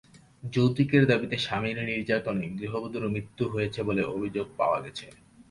যৌতুকের দাবিতে স্বামীর নির্যাতনে গৃহবধূর মৃত্যু হয়েছে বলে অভিযোগ পাওয়া গেছে।